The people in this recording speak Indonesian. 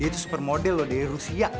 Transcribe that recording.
dia itu super model loh dari rusia